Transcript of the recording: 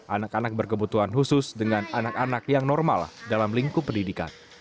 anak anak berkebutuhan khusus dengan anak anak yang normal dalam lingkup pendidikan